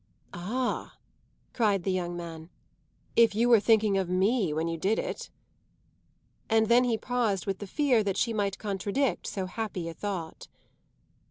"Ah," cried the young man, "if you were thinking of me when you did it!" And then he paused with the fear that she might contradict so happy a thought.